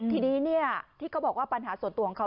ทีนี้ที่เขาบอกว่าปัญหาส่วนตัวของเขา